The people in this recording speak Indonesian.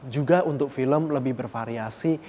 juga untuk film lebih bervariasi